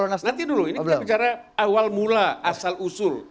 nanti dulu ini kita bicara awal mula asal usul